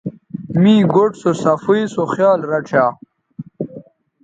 مہ گوٹھ سوصفائ سو خیال رڇھا